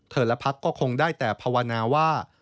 และพักก็คงได้แต่ภาวนาว่า